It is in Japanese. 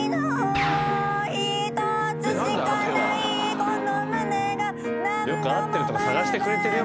よく合ってるとこ探してくれてるよ